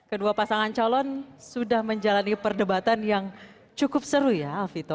kedua pasangan calon sudah menjalani perdebatan yang cukup seru ya alvito